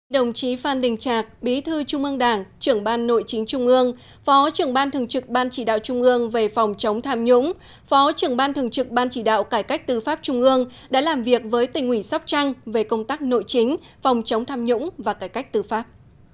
đồng chí phan đình trạc bí thư trung ương đảng trưởng ban nội chính trung ương phó trưởng ban thường trực ban chỉ đạo trung ương về phòng chống tham nhũng phó trưởng ban thường trực ban chỉ đạo cải cách tư pháp trung ương đã làm việc với tỉnh ủy sóc trăng về công tác nội chính phòng chống tham nhũng và cải cách tư pháp